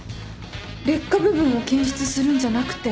劣化部分を検出するんじゃなくて。